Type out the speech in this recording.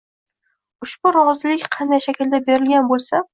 ushbu rozilik qanday shaklda berilgan bo‘lsa